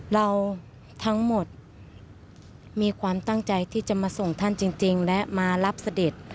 เราทั้งหมดมีความตั้งใจที่จะมาส่งท่านจริงและมารับเสด็จ